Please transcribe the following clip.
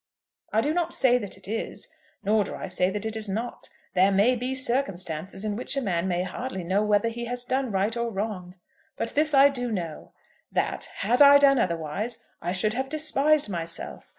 "I do not say that it is, nor do I say that it is not. There may be circumstances in which a man may hardly know whether he has done right or wrong. But this I do know, that, had I done otherwise, I should have despised myself.